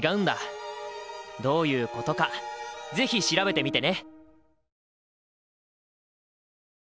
どういうことかぜひ調べてみてね！